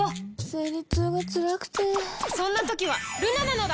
生理痛がつらくてそんな時はルナなのだ！